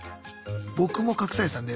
僕も隠されてたんで。